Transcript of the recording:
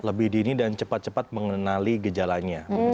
lebih dini dan cepat cepat mengenali gejalanya